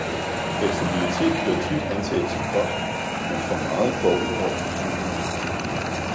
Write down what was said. Fleksibilitet bliver tit anset som godt, men for meget går ud over strukturen.